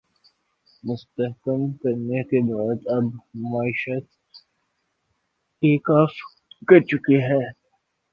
مستحکم کرنے کے بعد اب معیشت ٹیک آف کر چکی ہے